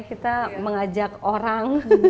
kita mengajak orang